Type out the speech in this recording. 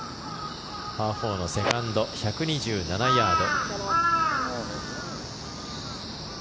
パー４のセカンド１２７ヤード。